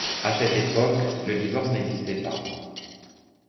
À cette époque, le divorce n'existait pas.